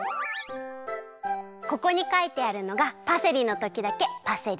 ここにかいてあるのがパセリのときだけパセリっていってね。